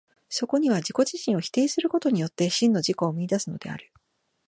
そこには自己自身を否定することによって、真の自己を見出すのである。